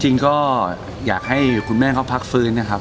จริงก็อยากให้คุณแม่เขาพักฟื้นนะครับ